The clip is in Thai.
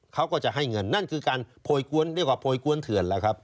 เขาก็จะให้เงินนั่นคือการโพยกวนเรียกว่าโพยกวนเถื่อนแล้วครับ